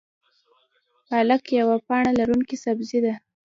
پالک یوه پاڼه لرونکی سبزی ده